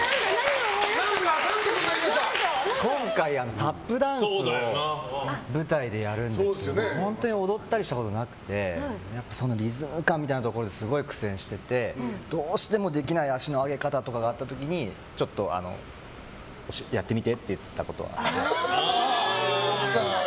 今回、タップダンスを舞台でやるんですけど本当に踊ったりしたことなくてリズム感というところですごい苦戦しててどうしてもできない足の上げ方とかあった時にちょっとやってみてって言ったことは。